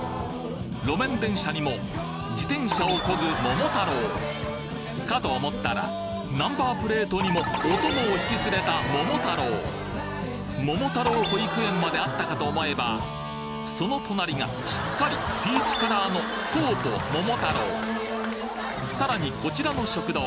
路面電車にも自転車をこぐ桃太郎かと思ったらナンバープレートにもお供を引き連れた桃太郎桃太郎保育園まであったかと思えばその隣がしっかりピーチカラーのさらにこちらの食堂